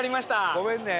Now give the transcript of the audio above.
ごめんね。